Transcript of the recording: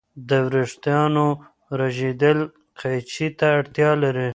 د وریښتانو رژیدل قیچي ته اړتیا لري.